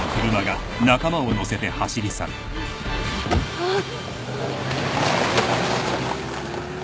・あっ。